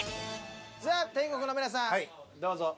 じゃあ天国の皆さんどうぞ。